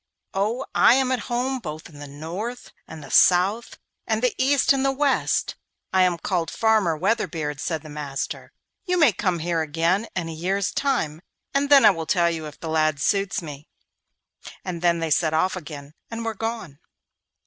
'Oh, I am at home both in the north and the south and the east and the west, and I am called Farmer Weatherbeard,' said the master. 'You may come here again in a year's time, and then I will tell you if the lad suits me.' And then they set off again and were gone.